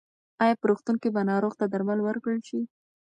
ایا په روغتون کې به ناروغ ته درمل ورکړل شي؟